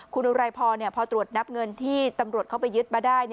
คุณอุไรพรพอตรวจนับเงินที่ตำรวจเข้าไปยึดมาได้